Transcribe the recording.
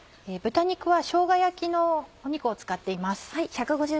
豚肉はしょうが焼きの肉を使っています。